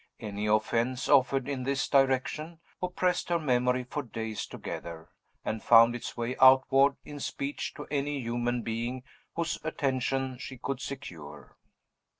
Any offense offered in this direction oppressed her memory for days together, and found its way outward in speech to any human being whose attention she could secure.